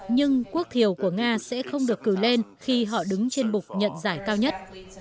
nhưng quốc thiều của nga sẽ không được cử lên khi họ đứng trên bục nhận giải cao nhất